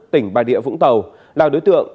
tỉnh bài địa vũng tàu là đối tượng